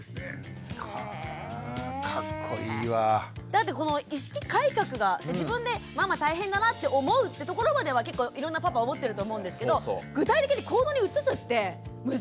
だってこの意識改革が自分でママ大変だなって思うってところまではいろんなパパ思ってると思うんですけど具体的に行動に移すって難しくないですか？